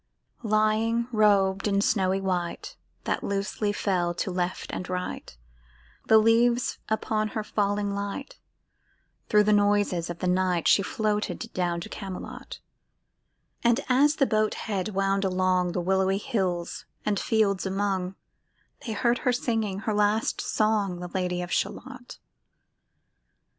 Lying robed in snowy white That loosely flew to left and right— The leaves upon her falling light— Thro' the noises of the night She floated down to Camelot: And as the boat head wound along The willowy hills and fields among, They heard her singing her last song, The Lady of Shalott.